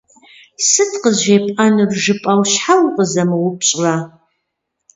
«Сыт къызжепӏэнур?» жыпӏэу, щхьэ укъызэмыупщӏрэ?